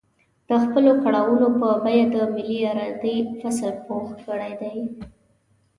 د خپلو کړاوونو په بيه د ملي ارادې فصل پوخ کړی دی.